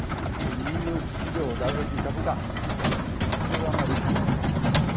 ニューヨーク市場、ダウ平均株価、３１１ドル余り値上がりでした。